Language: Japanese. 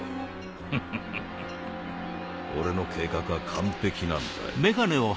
フフフ俺の計画は完璧なんだよ。